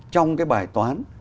trong cái bài toán